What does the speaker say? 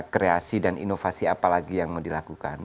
kreasi dan inovasi apa lagi yang mau dilakukan